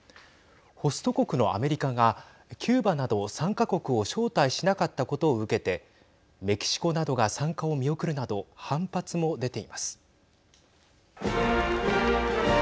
ホスト国のアメリカがキューバなど３か国を招待しなかったことを受けてメキシコなどが参加を見送るなど反発も出ています。